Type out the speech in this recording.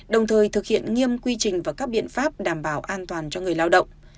đồng thời thực hiện nghiêm quy trình và các biện pháp đảm bảo an toàn cho người lao động